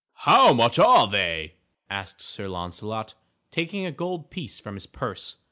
_" "How much are they?" asked Sir Launcelot, taking a gold piece from his purse.